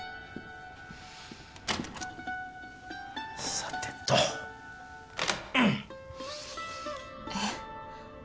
さてとえッ！？